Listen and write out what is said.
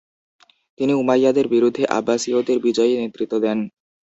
তিনি উমাইয়াদের বিরুদ্ধে আব্বাসীয়দের বিজয়ে নেতৃত্ব দেন।